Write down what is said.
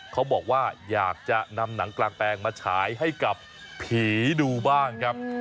เขาบอกว่าอยากจะนำหนังกลางแปลงมาฉายให้กับผีดูบ้างครับ